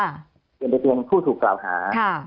ยังเป็นเปติดจังผู้ถูกกล่าวหา